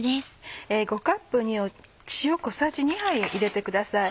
５カップに塩小さじ２杯入れてください。